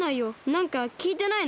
なんかきいてないの？